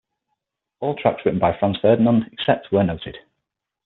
All tracks written by Franz Ferdinand, except where noted.